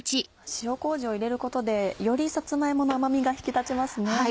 塩麹を入れることでよりさつま芋の甘味が引き立ちますね。